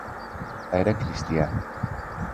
Era cristià.